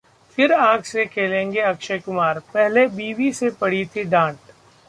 फिर आग से खेलेंगे अक्षय कुमार, पहले बीवी से पड़ी थी डांट